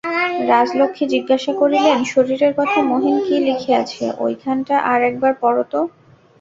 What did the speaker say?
রাজলক্ষ্মী জিজ্ঞাসা করিলেন, শরীরের কথা মহিন কী লিখিয়াছে ঐখানটা আর একবার পড়ো তো।